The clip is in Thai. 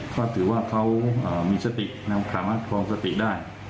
ก็ถือว่าเขามีสติกคลามความสติกได้